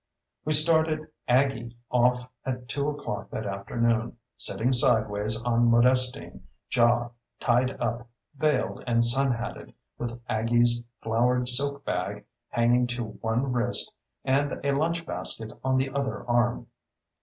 We started "Aggie" off at two o'clock that afternoon, sitting sideways on Modestine, jaw tied up, veiled and sun hatted, with Aggie's flowered silk bag hanging to one wrist and a lunch basket on the other arm.